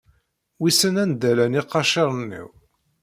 Wissen anda llan iqaciṛen-iw.